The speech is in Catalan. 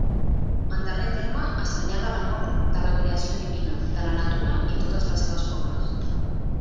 En darrer terme, assenyala l'amor de la creació divina, de la natura i totes les seves formes.